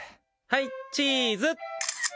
はい、チーズ！